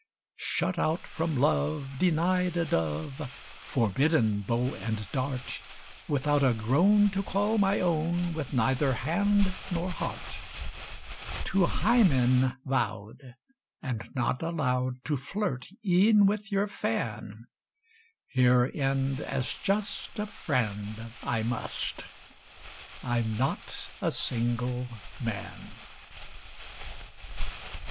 Shut out from love, denied a dove, Forbidden bow and dart, Without a groan to call my own, With neither hand nor heart; To Hymen vow'd, and not allow'd To flirt e'en with your fan, Here end, as just a friend, I must I'm not a single man.